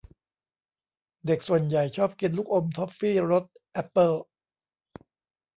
เด็กส่วนใหญ่ชอบกินลูกอมทอฟฟี่รสแอปเปิ้ล